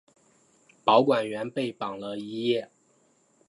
保管员被绑了一夜。